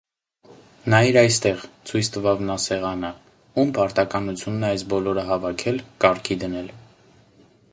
Նայիր այստեղ,- ցույց տվավ նա սեղանը,- ո՞ւմ պարտականությունն է այս բոլորը հավաքել, կարգի դնել: